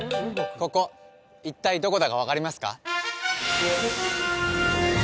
ここ一体どこだか分かりますか？